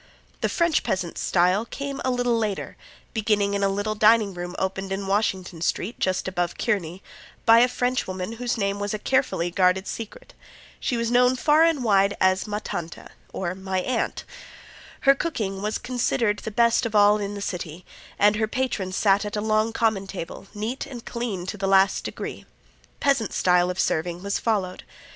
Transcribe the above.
The French peasant style came a little later, beginning in a little dining room opened in Washington street, just above Kearny, by a French woman whose name was a carefully guarded secret. She was known far and wide as "Ma Tanta" (My Aunt). Her cooking was considered the best of all in the city, and her patrons sat at a long common table, neat and clean to the last degree. Peasant style of serving was followed.